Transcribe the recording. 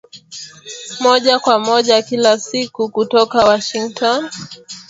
moja kwa moja kila siku kutoka Washington